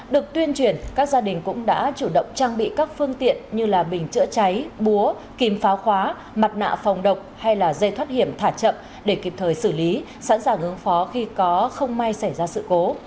được tuyên truyền các gia đình cũng đã chủ động trang bị các phương tiện như bình chữa cháy búa kìm pháo khóa mặt nạ phòng độc hay là dây thoát hiểm thả chậm để kịp thời xử lý sẵn sàng ứng phó khi có không may xảy ra sự cố